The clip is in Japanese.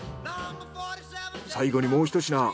最後にもうひと品。